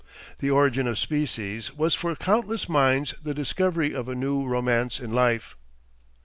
"The Origin of Species" was for countless minds the discovery of a new romance in life.